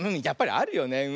やっぱりあるよね。